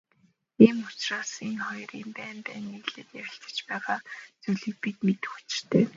Ийм учраас энэ хоёрын байн байн нийлээд ярилцаж байгаа зүйлийг бид мэдэх учиртай.